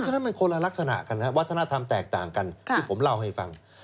นั่นมันคล้านรักษณะค่ะวัฒนธรรมแตกต่างกันที่ผมเล่าให้ฟัง